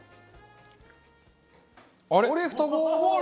あれ？